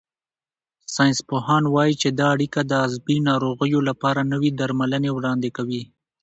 ساینسپوهان وايي چې دا اړیکه د عصبي ناروغیو لپاره نوي درملنې وړاندې کوي.